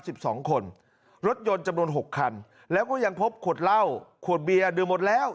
สิบสองคนรถยนต์จำนวนหกคันแล้วก็ยังพบขวดเหล้าขวดเบียร์ดื่มหมดแล้ว